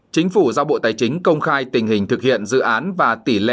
chính phủ giao bộ tài chính công khai tình hình thực hiện dự án và tỷ lệ